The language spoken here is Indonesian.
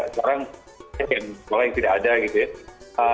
sekarang mungkin kalau yang tidak ada gitu ya